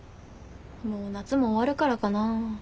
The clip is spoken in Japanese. もう夏も終わるからかな。